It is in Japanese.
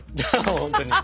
本当に！